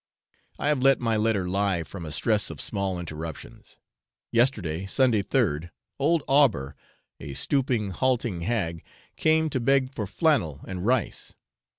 I have let my letter lie from a stress of small interruptions. Yesterday, Sunday 3rd, old Auber, a stooping, halting hag, came to beg for flannel and rice.